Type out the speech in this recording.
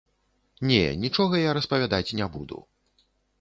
Не, нічога я распавядаць не буду.